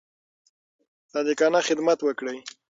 صادقانه خدمت وکړئ.